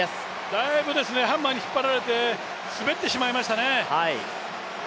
だいぶハンマーに引っ張られて滑ってしまいましたね。